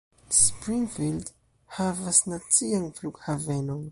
Springfield havas nacian flughavenon.